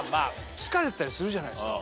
疲れてたりするじゃないですか。